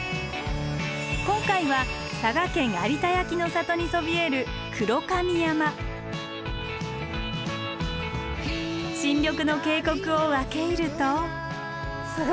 今回は佐賀県有田焼の里にそびえる新緑の渓谷を分け入ると。